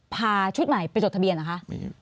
ชุดใหม่ไปจดทะเบียนเหรอคะ